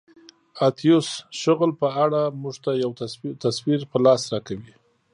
اتیوس شغل په اړه موږ ته یو تصویر په لاس راکوي.